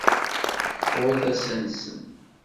Teqqur tasa-nsen.